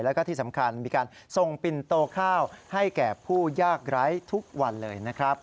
แล้วก็ที่สำคัญมีการส่งปิ่นโตข้าวให้แก่ผู้ยากไร้ทุกวันเลยนะครับ